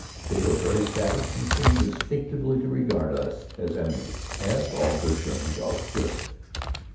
They were very savage and seemed instinctively to regard us as enemies; as all good German dogs should.